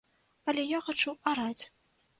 Але я хачу араць.